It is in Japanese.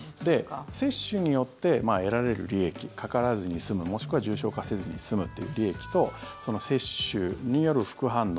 接種によって得られる利益かからずに済むもしくは重症化せずに済むという利益と接種による副反応